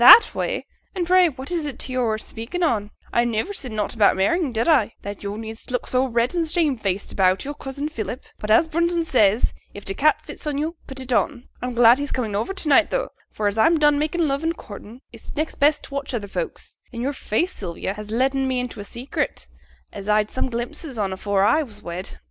'"That way?" and pray what is t' way yo're speaking on? I niver said nought about marrying, did I, that yo' need look so red and shamefaced about yo'r cousin Philip? But, as Brunton says, if t' cap fits yo', put it on. I'm glad he's comin' to night tho', for as I'm done makin' love and courtin', it's next best t' watch other folks; an' yo'r face, Sylvia, has letten me into a secret, as I'd some glimpses on afore I was wed.'